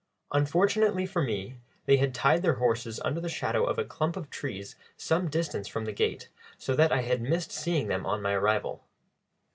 Unfortunately for me, they had tied their horses under the shadow of a clump of trees some distance from the gate, so that I had missed seeing them on my arrival.